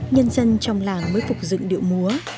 nhân dân trong làng mới phục dựng điệu múa